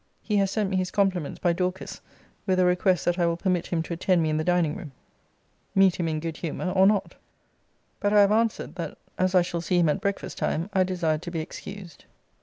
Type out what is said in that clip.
He has sent me his compliments by Dorcas, with a request that I will permit him to attend me in the dining room, meet him in good humour, or not: but I have answered, that as I shall see him at breakfast time I desired to be excused.